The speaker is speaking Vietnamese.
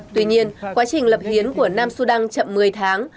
tuy nhiên quá trình lập hiến của nam sudan chậm một mươi tháng